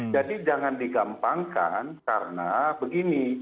jadi jangan digampangkan karena begini